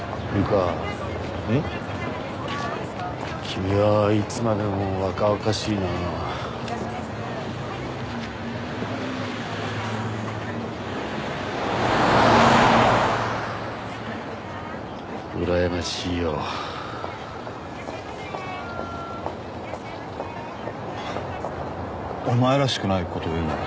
君はいつまでも若々しいなうらやましいよお前らしくないこと言うんだな